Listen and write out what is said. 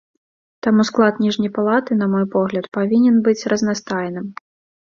Таму склад ніжняй палаты, на мой погляд, павінен быць разнастайным.